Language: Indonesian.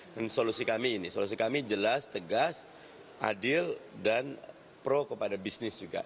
dan solusi kami ini solusi kami jelas tegas adil dan pro kepada bisnis juga